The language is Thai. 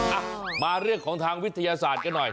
อ่ะมาเรื่องของทางวิทยาศาสตร์กันหน่อย